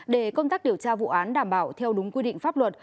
để công tác điều tra vụ án đảm bảo theo đúng quy định pháp luật